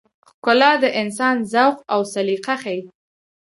ښکلا د انسان ذوق او سلیقه ښيي.